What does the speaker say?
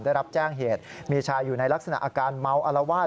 ได้รับแจ้งเหตุมีชายอยู่ในลักษณะอาการเมาอารวาส